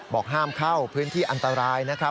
บอกห้ามเข้าพื้นที่อันตรายนะครับ